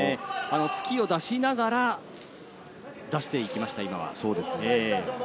突きを出しながら、出していきました、今は。